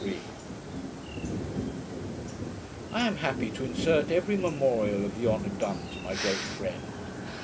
I am happy to insert every memorial of the honour done to my great friend.